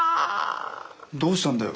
どうしたんだよ